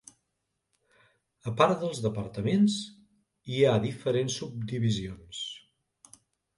A part dels departaments, hi ha diferents subdivisions.